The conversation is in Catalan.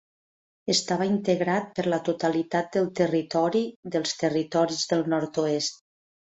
Estava integrat per la totalitat del territori dels Territoris del Nord-oest.